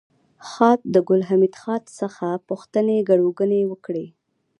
خاد د ګل حمید خان څخه پوښتنې ګروېږنې وکړې